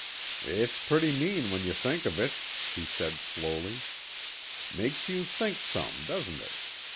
"It's pretty mean when you think of it," he said slowly. "Makes you think some, doesn't it?